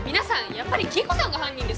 やっぱり黄以子さんが犯人ですよ。